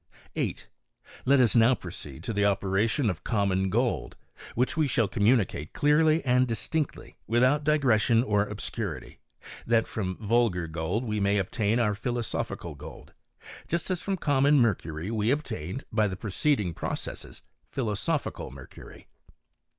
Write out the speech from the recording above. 8. Let us now proceed to the operation of common gold, which we shall communicate clearly and dis tinctly, without digression or obscurity; that from vul gar gold we may obtain our philosophical gold, just as from common mercury we obtained, by the preceding processes, philosophical mercury.